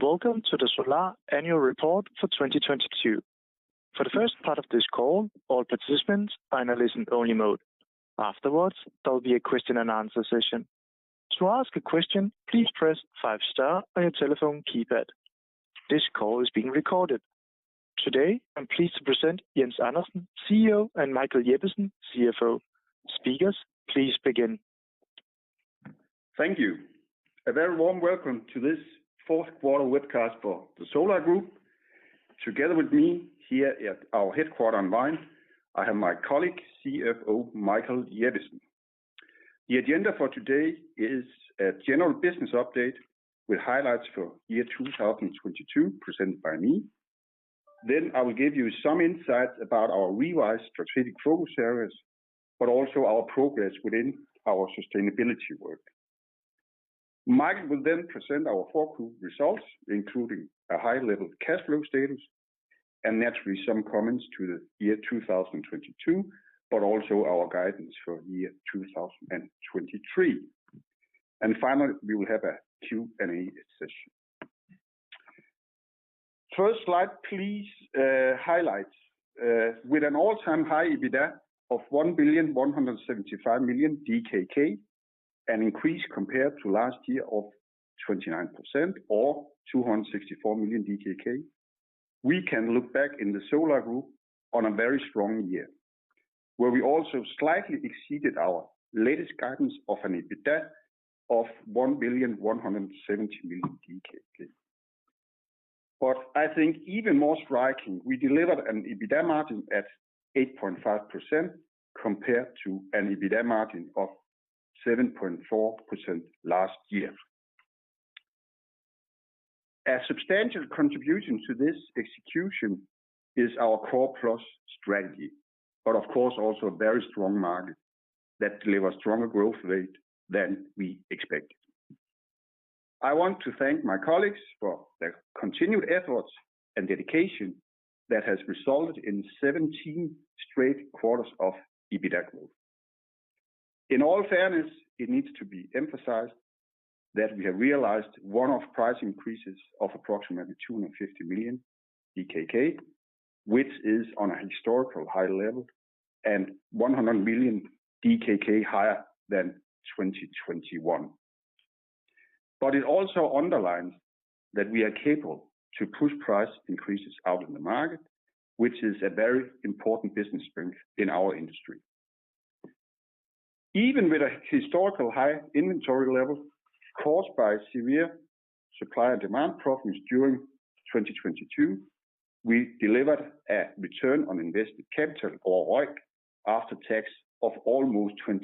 Welcome to the Solar Annual Report for 2022. For the first part of this call, all participants are in a listen-only mode. Afterwards, there'll be a question-and-answer session. To ask a question, please press five star on your telephone keypad. This call is being recorded. Today, I'm pleased to present Jens Andersen, CEO, and Michael Jeppesen, CFO. Speakers, please begin. Thank you. A very warm welcome to this fourth quarter webcast for the Solar Group. Together with me here at our headquarters online, I have my colleague, CFO, Michael Jeppesen. The agenda for today is a general business update with highlights for year 2022, presented by me. I will give you some insight about our revised strategic focus areas, but also our progress within our sustainability work. Michael will then present our full group results, including a high-level cash flow status, and naturally, some comments to the year 2022, but also our guidance for year 2023. Finally, we will have a Q&A session. First slide, please, highlights. With an all-time high EBITDA of 1,175 million DKK, an increase compared to last year of 29% or 264 million DKK, we can look back in the Solar Group on a very strong year, where we also slightly exceeded our latest guidance of an EBITDA of 1,170 million. I think even more striking, we delivered an EBITDA margin at 8.5% compared to an EBITDA margin of 7.4% last year. A substantial contribution to this execution is our Core+ strategy, but of course, also a very strong market that delivers stronger growth rate than we expected. I want to thank my colleagues for their continued efforts and dedication that has resulted in 17 straight quarters of EBITDA growth. In all fairness, it needs to be emphasized that we have realized one-off price increases of approximately 250 million DKK, which is on a historical high level and 100 million DKK higher than 2021. It also underlines that we are capable to push price increases out in the market, which is a very important business strength in our industry. Even with a historical high inventory level caused by severe supply and demand problems during 2022, we delivered a return on invested capital, or ROIC, after tax of almost 26%.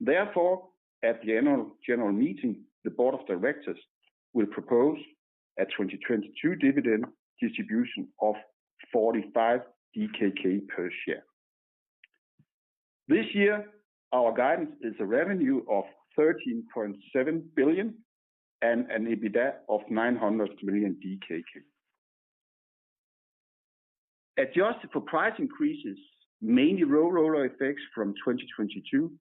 Therefore, at the annual general meeting, the board of directors will propose a 2022 dividend distribution of 45 DKK per share. This year, our guidance is a revenue of 13.7 billion and an EBITDA of 900 million DKK. Adjusted for price increases, mainly roll-over effects from 2022,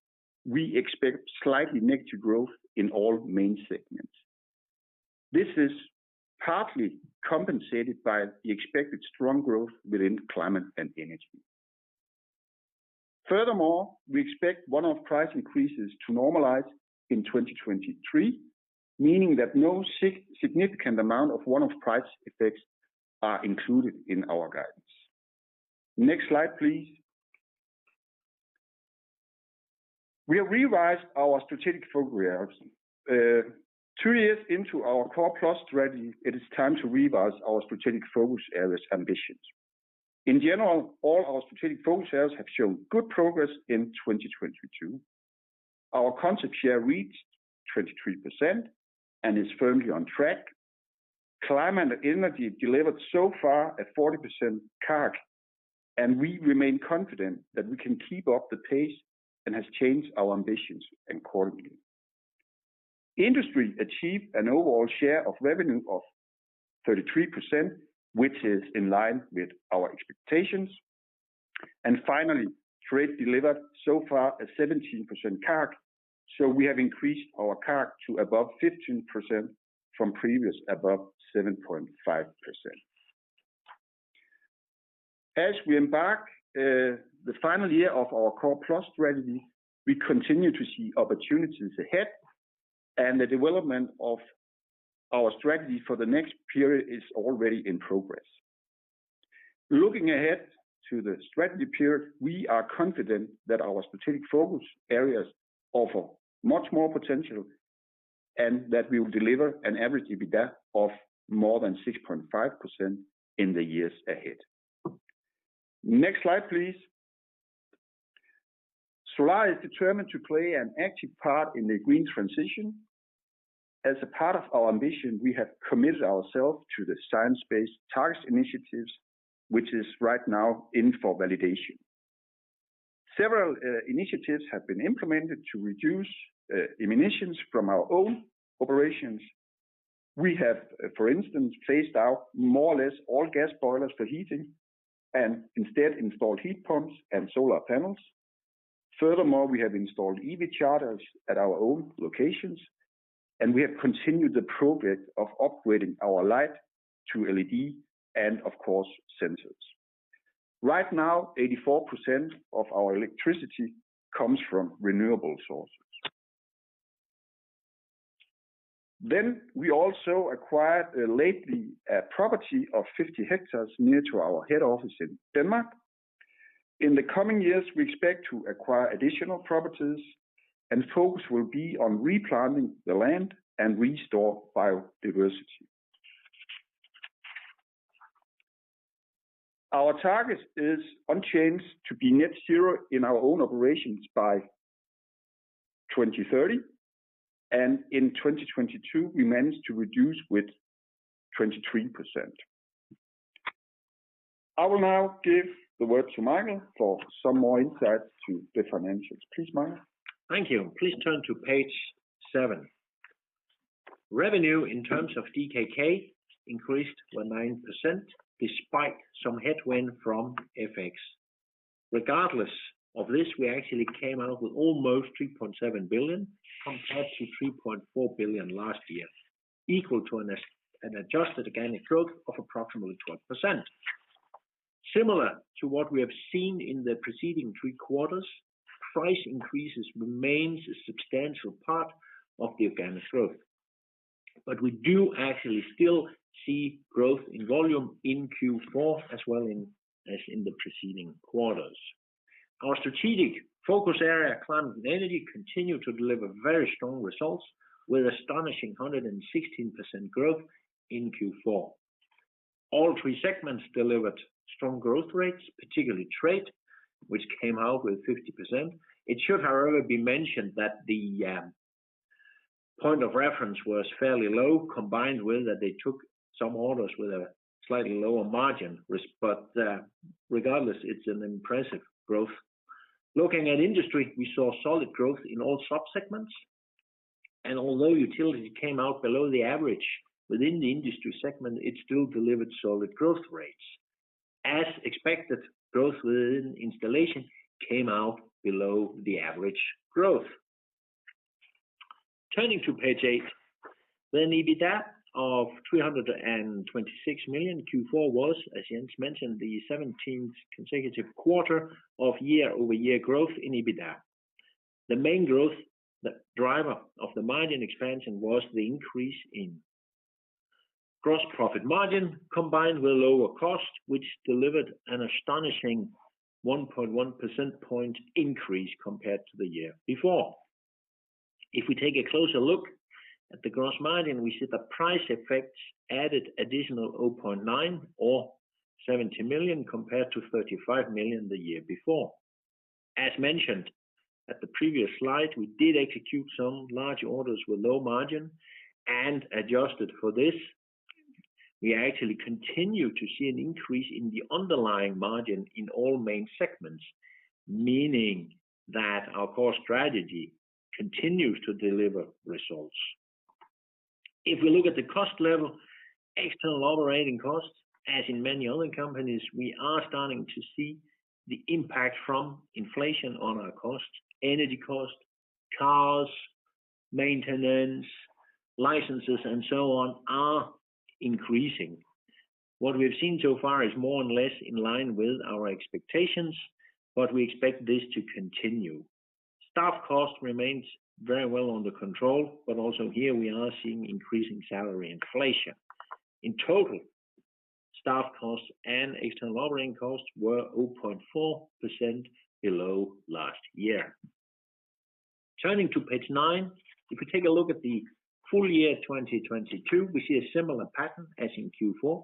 we expect slightly negative growth in all main segments. This is partly compensated by the expected strong growth within Climate & Energy. We expect one-off price increases to normalize in 2023, meaning that no significant amount of one-off price effects are included in our guidance. Next slide, please. We revised our strategic focus areas. Two years into our Core+ strategy, it is time to revise our strategic focus areas' ambitions. In general, all our strategic focus areas have shown good progress in 2022. Our concept share reached 23% and is firmly on track. Climate & Energy delivered so far a 40% CAG, and we remain confident that we can keep up the pace and has changed our ambitions accordingly. Industry achieved an overall share of revenue of 33%, which is in line with our expectations. Finally, Trade delivered so far a 17% CAG, so we have increased our CAG to above 15% from previous above 7.5%. As we embark the final year of our Core+ strategy, we continue to see opportunities ahead, and the development of our strategy for the next period is already in progress. Looking ahead to the strategy period, we are confident that our strategic focus areas offer much more potential and that we will deliver an average EBITDA of more than 6.5% in the years ahead. Next slide, please. Solar is determined to play an active part in the green transition. As a part of our ambition, we have committed ourselves to the Science Based Targets initiative, which is right now in for validation. Several initiatives have been implemented to reduce emissions from our own operations. We have, for instance, phased out more or less all gas boilers for heating and instead installed heat pumps and solar panels. We have installed EV chargers at our own locations, and we have continued the progress of upgrading our light to LED and, of course, sensors. Right now, 84% of our electricity comes from renewable sources. We also acquired lately a property of 50 hectares near to our head office in Denmark. In the coming years, we expect to acquire additional properties, and focus will be on replanting the land and restore biodiversity. Our target is unchanged to be net zero in our own operations by 2030, and in 2022 we managed to reduce with 23%. I will now give the word to Michael for some more insights to the financials. Please, Michael. Thank you. Please turn to page seven. Revenue in terms of DKK increased by 9% despite some headwind from FX. Regardless of this, we actually came out with almost 3.7 billion compared to 3.4 billion last year, equal to an adjusted organic growth of approximately 12%. Similar to what we have seen in the preceding three quarters, price increases remains a substantial part of the organic growth. We do actually still see growth in volume in Q4 as well in as in the preceding quarters. Our strategic focus area, Climate & Energy, continued to deliver very strong results with astonishing 116% growth in Q4. All three segments delivered strong growth rates, particularly Trade, which came out with 50%. It should, however, be mentioned that the point of reference was fairly low, combined with that they took some orders with a slightly lower margin, but regardless, it's an impressive growth. Looking at Industry, we saw solid growth in all subsegments, and although Utilities came out below the average within the Industry segment, it still delivered solid growth rates. As expected, growth within Installation came out below the average growth. Turning to page eight, the EBITDA of 326 million Q4 was, as Jens mentioned, the 17th consecutive quarter of year-over-year growth in EBITDA. The main growth, the driver of the margin expansion was the increase in gross profit margin combined with lower costs, which delivered an astonishing 1.1 percentage point increase compared to the year before. If we take a closer look at the gross margin, we see the price effects added additional 0.9% or 70 million compared to 35 million the year before. As mentioned, at the previous slide, we did execute some large orders with low margin and adjusted for this. We actually continue to see an increase in the underlying margin in all main segments, meaning that our Core strategy continues to deliver results. We look at the cost level, external operating costs, as in many other companies, we are starting to see the impact from inflation on our costs. Energy costs, cars, maintenance, licenses, and so on are increasing. We've seen so far is more and less in line with our expectations, but we expect this to continue. Staff costs remains very well under control, but also here we are seeing increasing salary inflation. In total, staff costs and external operating costs were 0.4% below last year. Turning to page nine, if you take a look at the full year 2022, we see a similar pattern as in Q4,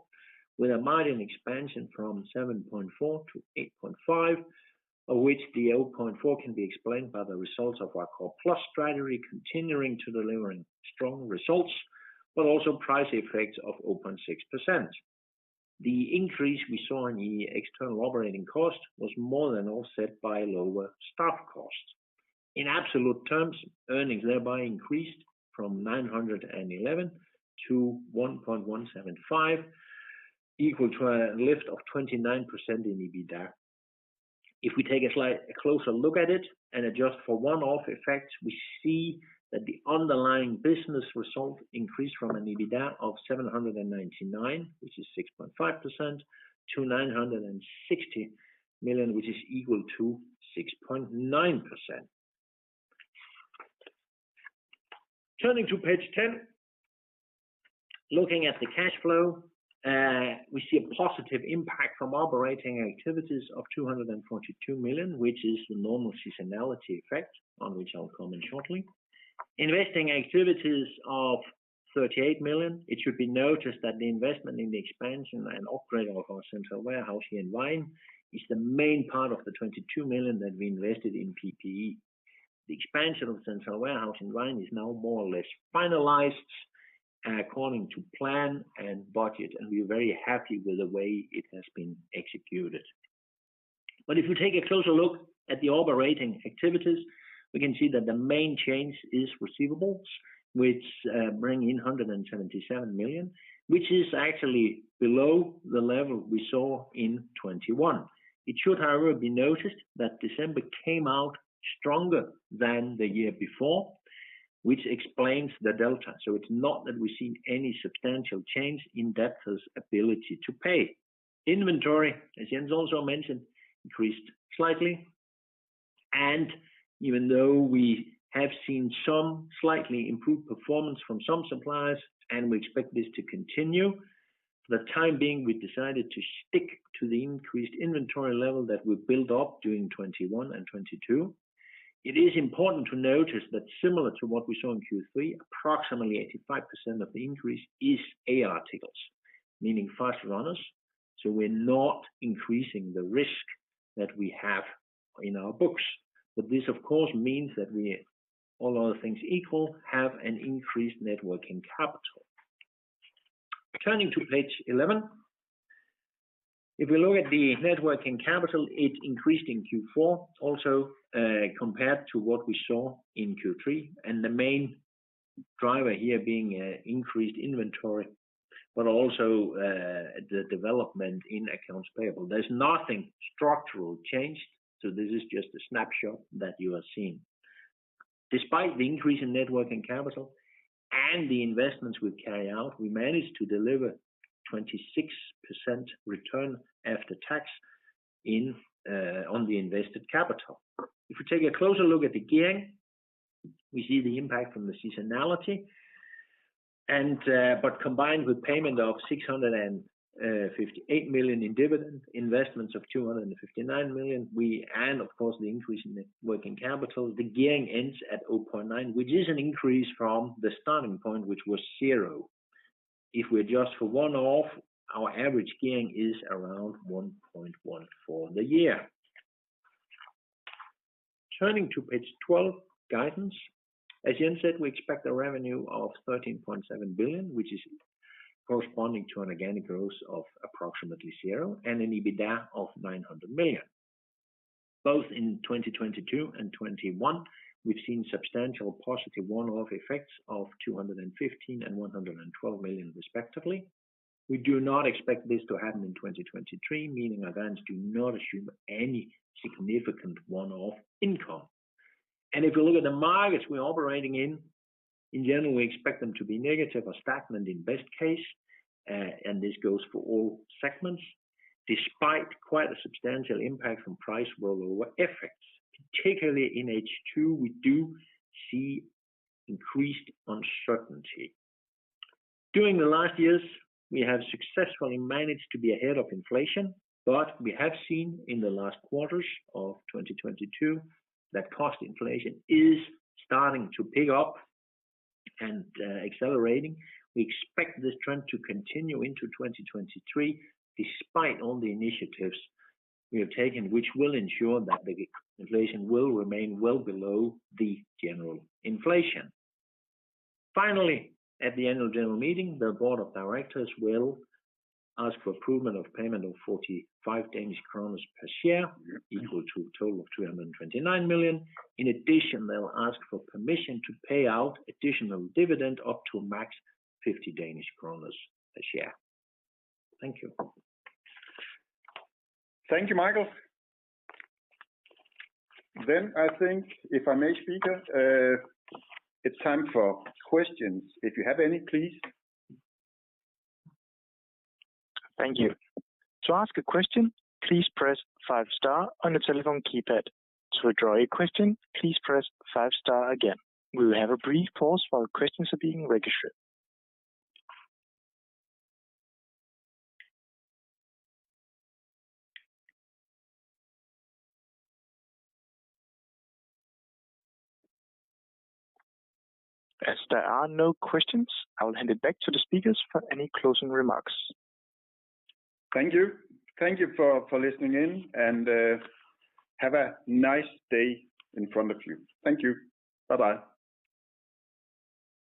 with a margin expansion from 7.4% to 8.5%, of which the 0.4% can be explained by the results of our Core+ strategy continuing to delivering strong results, but also price effects of 0.6%. The increase we saw in the external operating cost was more than offset by lower staff costs. In absolute terms, earnings thereby increased from 911 to 1,175, equal to a lift of 29% in EBITDA. If we take a closer look at it and adjust for one-off effects, we see that the underlying business result increased from an EBITDA of 799 million, which is 6.5%, to 960 million, which is equal to 6.9%. Turning to page 10, looking at the cash flow, we see a positive impact from operating activities of 242 million, which is the normal seasonality effect on which I'll comment shortly. Investing activities of 38 million. It should be noticed that the investment in the expansion and upgrade of our central warehouse here in Vejen is the main part of the 22 million that we invested in PPE. The expansion of central warehouse in Vejen is now more or less finalized according to plan and budget. We're very happy with the way it has been executed. If you take a closer look at the operating activities, we can see that the main change is receivables. Which bring in 177 million, which is actually below the level we saw in 2021. It should, however, be noticed that December came out stronger than the year before, which explains the delta. It's not that we've seen any substantial change in debtors' ability to pay. Inventory, as Jens also mentioned, increased slightly. Even though we have seen some slightly improved performance from some suppliers, and we expect this to continue, for the time being, we decided to stick to the increased inventory level that we built up during 2021 and 2022. It is important to notice that similar to what we saw in Q3, approximately 85% of the increase is A-articles, meaning fast runners. We're not increasing the risk that we have in our books. This, of course, means that we, all other things equal, have an increased net working capital. Turning to page 11. If we look at the net working capital, it increased in Q4 also, compared to what we saw in Q3. The main driver here being increased inventory, but also the development in accounts payable. There's nothing structural changed, so this is just a snapshot that you are seeing. Despite the increase in net working capital and the investments we carry out, we managed to deliver 26% return after tax on the invested capital. If we take a closer look at the gearing, we see the impact from the seasonality and, but combined with payment of 658 million in dividend, investments of 259 million, and of course, the increase in net working capital, the gearing ends at 0.9, which is an increase from the starting point, which was 0. If we adjust for one-off, our average gearing is around 1.1 for the year. Turning to page 12, guidance. As Jens said, we expect a revenue of 13.7 billion, which is corresponding to an organic growth of approximately 0 and an EBITDA of 900 million. Both in 2022 and 2021, we've seen substantial positive one-off effects of 215 million and 112 million, respectively. We do not expect this to happen in 2023, meaning our guidance do not assume any significant one-off income. If you look at the markets we're operating in general, we expect them to be negative or stagnant in best case, and this goes for all segments, despite quite a substantial impact from price rollover effects. Particularly in H2, we do see increased uncertainty. During the last years, we have successfully managed to be ahead of inflation, we have seen in the last quarters of 2022 that cost inflation is starting to pick up and accelerating. We expect this trend to continue into 2023, despite all the initiatives we have taken, which will ensure that the inflation will remain well below the general inflation. Finally, at the annual general meeting, the board of directors will ask for approval of payment of 45 Danish kroner per share, equal to a total of 329 million. In addition, they'll ask for permission to pay out additional dividend up to a max 50 Danish kroner a share. Thank you. Thank you, Michael. I think if I may speak, it's time for questions. If you have any, please. Thank you. To ask a question, please press five star on your telephone keypad. To withdraw your question, please press five star again. We will have a brief pause while questions are being registered. As there are no questions, I will hand it back to the speakers for any closing remarks. Thank you. Thank you for listening in, and have a nice day in front of you. Thank you. Bye-bye.